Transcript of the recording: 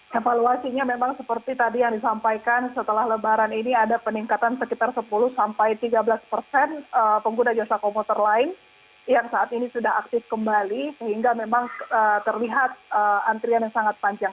evaluasinya memang seperti tadi yang disampaikan setelah lebaran ini ada peningkatan sekitar sepuluh sampai tiga belas persen pengguna jasa komuter lain yang saat ini sudah aktif kembali sehingga memang terlihat antrian yang sangat panjang